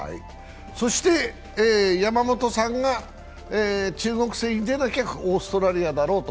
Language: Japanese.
山本さんが中国戦に出なきゃオーストラリアだろうと。